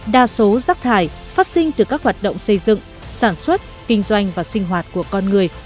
đa số rác thải phát sinh từ các hoạt động xây dựng sản xuất kinh doanh và sinh hoạt của con người